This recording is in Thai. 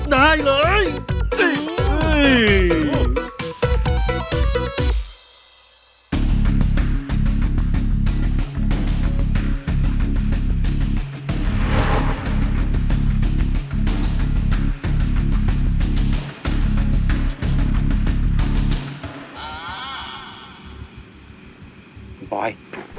ได้เลย